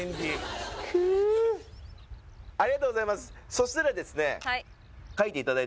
そしたらですね